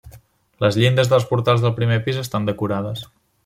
Les llindes dels portals del primer pis estan decorades.